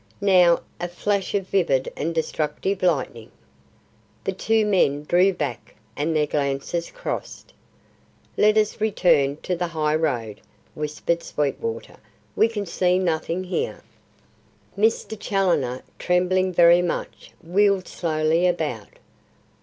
now, a flash of vivid and destructive lightning! The two men drew back and their glances crossed. "Let us return to the highroad," whispered Sweetwater; "we can see nothing here." Mr. Challoner, trembling very much, wheeled slowly about.